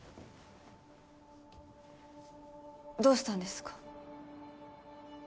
どうしたんですか？